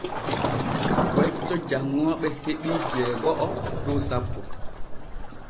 Wecco janŋooɓe heɓii jeego’o dow sappo.